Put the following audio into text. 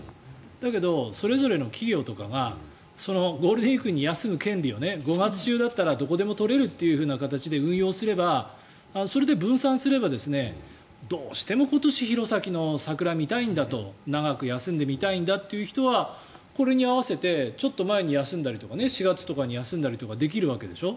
だけどそれぞれの企業とかがゴールデンウィークに休む権利を５月中だったらどこでも取れるって形で運用すれば、それで分散すればどうしても今年弘前の桜が見たいんだと長く休んで見たいんだっていう人はこれに合わせてちょっと前に休んだりとか４月とかに休んだりとかできるわけでしょ。